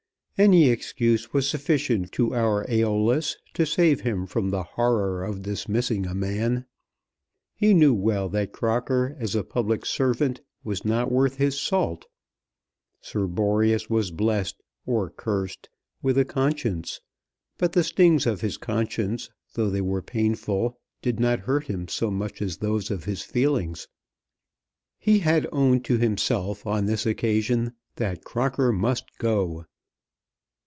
Any excuse was sufficient to our Æolus to save him from the horror of dismissing a man. He knew well that Crocker, as a public servant, was not worth his salt. Sir Boreas was blessed, or cursed, with a conscience, but the stings of his conscience, though they were painful, did not hurt him so much as those of his feelings. He had owned to himself on this occasion that Crocker must go.